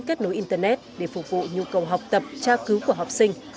kết nối internet để phục vụ nhu cầu học tập tra cứu của học sinh